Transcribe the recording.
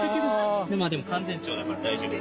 でも完全長だから大丈夫。